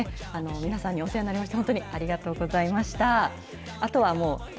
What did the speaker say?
皆さんにお世話になりました。